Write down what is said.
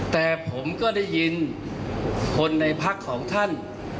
แต่ผมก็ได้ยินคนในพักของท่าน